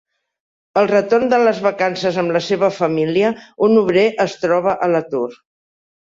Al retorn de les vacances amb la seva família, un obrer es troba a l'atur.